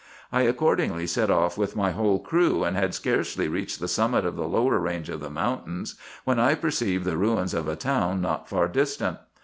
I accordingly set off with my whole crew, and had scarcely reached the summit of the lower range of the mountains, when I perceived the ruins of a town not far distant.